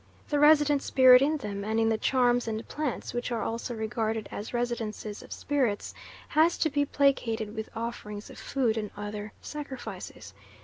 The resident spirit in them and in the charms and plants, which are also regarded as residences of spirits, has to be placated with offerings of food and other sacrifices.